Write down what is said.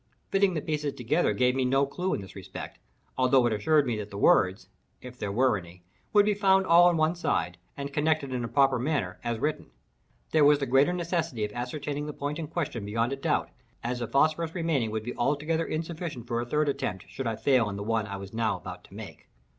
Fitting the pieces together gave me no clew in this respect, although it assured me that the words (if there were any) would be found all on one side, and connected in a proper manner, as written. There was the greater necessity of ascertaining the point in question beyond a doubt, as the phosphorus remaining would be altogether insufficient for a third attempt, should I fail in the one I was now about to make.